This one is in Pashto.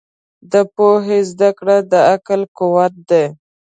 د پوهې زده کړه د عقل قوت دی.